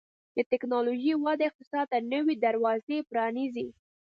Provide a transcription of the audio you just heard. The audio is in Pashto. د ټکنالوژۍ وده اقتصاد ته نوي دروازې پرانیزي.